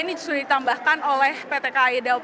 ini sudah ditambahkan oleh pt kai daup